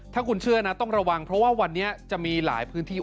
ถ้าคุณเชื่อนะต้องระวังเพราะว่าวันนี้จะมีหลายพื้นที่